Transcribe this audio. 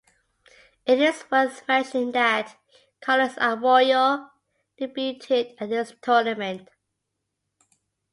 It is worth mentioning that Carlos Arroyo debuted at this tournament.